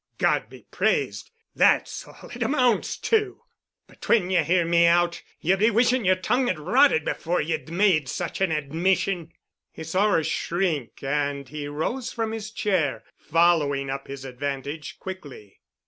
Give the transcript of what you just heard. God be praised that's all it amounts to! But when ye hear me out, ye'll be wishing yer tongue had rotted before ye'd made such an admission." He saw her shrink and he rose from his chair, following up his advantage quickly.